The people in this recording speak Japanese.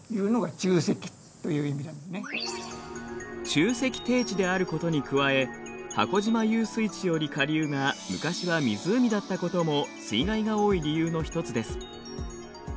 沖積低地であることに加え母子島遊水地より下流が昔は湖だったことも水害が多い理由の一つです。